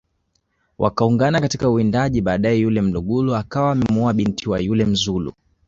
Wakaungana katika uwindaji baadae yule mlugulu akawa amemuoa binti wa yule mzulu